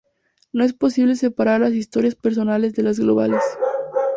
No es posible separar las historias personales de las globales.